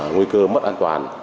nguy cơ mất an toàn